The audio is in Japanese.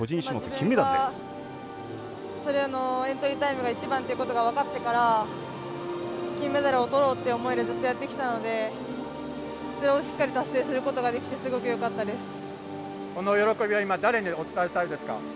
今、自分がそれのエントリータイムが１番っていうことが分かってから金メダルをとろうって思いでずっとやってきたのでそれをしっかり達成することができてその喜びは今、誰にお伝えしたいですか？